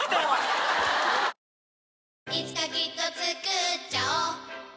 いつかきっとつくっちゃおう